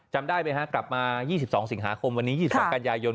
จำได้ไหมฮะกลับมา๒๒สิงหาคมวันนี้๒๒กันยายน